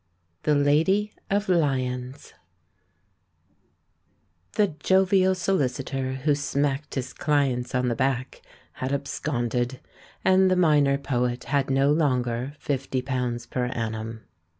THE LADY OF LYOXS' The jovial solicitor who smacked his clients on the back had absconded, and the minor poet had no longer fifty pounds per annum.